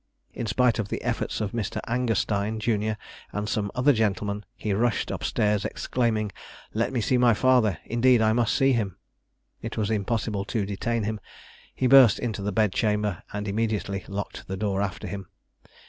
In spite of the efforts of Mr. Angerstein, jun., and some other gentlemen, he rushed up stairs exclaiming, 'Let me see my father! indeed I must see him.' It was impossible to detain him: he burst into the bed chamber, and immediately locked the door after him.